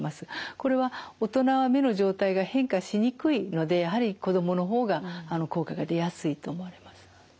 これは大人は目の状態が変化しにくいのでやはり子どもの方が効果が出やすいと思われます。